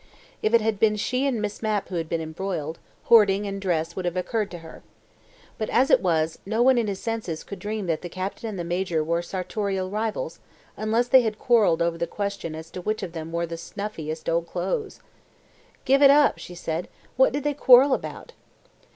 If it had been she and Miss Mapp who had been embroiled, hoarding and dress would have occurred to her. But as it was, no one in his senses could dream that the Captain and the Major were sartorial rivals, unless they had quarrelled over the question as to which of them wore the snuffiest old clothes. "Give it up," she said. "What did they quarrel about?"